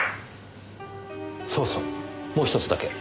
そうそうもうひとつだけ。